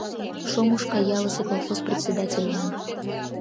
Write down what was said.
«Шомушка ялысе колхоз председательлан.